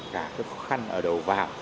cả các khó khăn ở đầu vàng